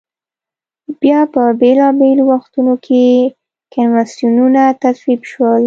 بیا په بېلا بېلو وختونو کې کنوانسیونونه تصویب شول.